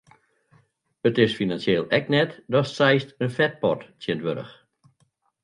It is finansjeel ek net datst seist in fetpot tsjinwurdich.